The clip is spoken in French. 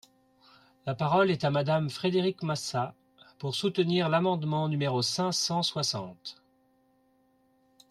La parole est à Madame Frédérique Massat, pour soutenir l’amendement numéro cinq cent soixante.